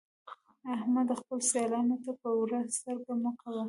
احمده! خپلو سيالانو ته په وړه سترګه مه ګوه.